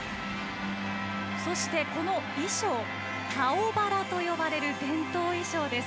そして、この衣装タオバラと呼ばれる伝統衣装です。